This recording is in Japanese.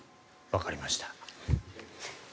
わかりました。